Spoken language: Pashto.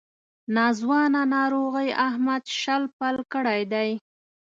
ناځوانه ناروغۍ احمد شل پل کړی دی.